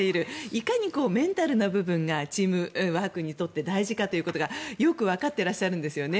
いかにメンタルの部分がチームワークにとって大事かということが、よくわかってらっしゃるんですよね。